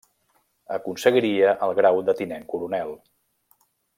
Aconseguiria el grau de tinent coronel.